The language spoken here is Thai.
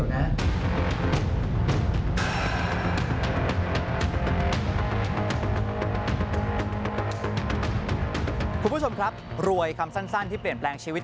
คุณผู้ชมครับรวยคำสั้นที่เปลี่ยนแปลงชีวิต